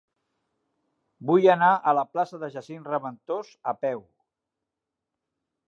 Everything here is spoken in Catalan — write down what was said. Vull anar a la plaça de Jacint Reventós a peu.